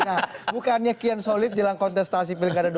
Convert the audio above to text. nah bukannya kian solid jelang kontestasi pilgadah dua ribu delapan belas